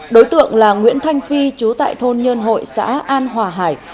đối tượng là nguyễn thanh phi chú tại thôn nhân hội xã an hòa hải